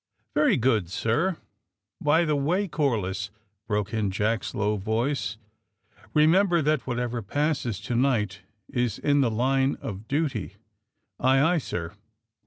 '*Very good, sir." By the way, Corliss," broke in Jack's low voice, '' remember that whatever passes to night IS in the line of duty. '' *'Aye, aye, sir."